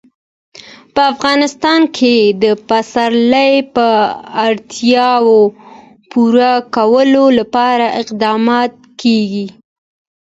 په افغانستان کې د پسرلی د اړتیاوو پوره کولو لپاره اقدامات کېږي.